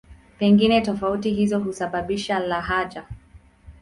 Pengine tofauti hizo husababisha lahaja.